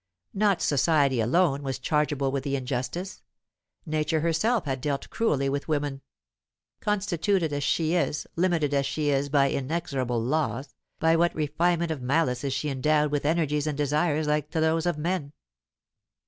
Not society alone was chargeable with the injustice; nature herself had dealt cruelly with woman. Constituted as she is, limited as she is by inexorable laws, by what refinement of malice is she endowed with energies and desires like to those of men?